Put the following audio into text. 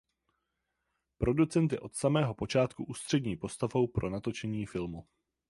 Producent je od samého počátku ústřední postavou pro natočení filmu.